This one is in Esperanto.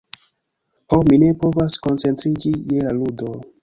Ho, mi ne povas koncentriĝi je la ludo...